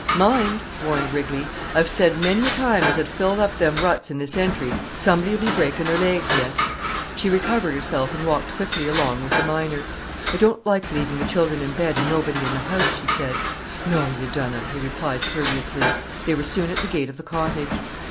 "Mind!" warned Rigley. "Ah've said many a time as Ah'd fill up them ruts in this entry, sumb'dy 'll be breakin' their legs yit." She recovered herself and walked quickly along with the miner. "I don't like leaving the children in bed, and nobody in the house," she said. "No, you dunna!" he replied courteously. They were soon at the gate of the cottage.